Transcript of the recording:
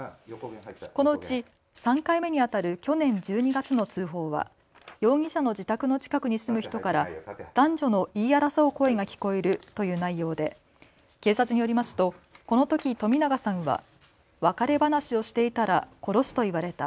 このうち３回目にあたる去年１２月の通報は容疑者の自宅の近くに住む人から男女の言い争う声が聞こえるという内容で警察によりますとこのとき冨永さんは別れ話をしていたら殺すと言われた。